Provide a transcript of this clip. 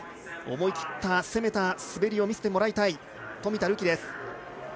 思い切った攻めた滑りを見せてもらいたい冨田るきです。